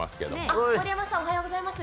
あっ、盛山さん、おはようございます。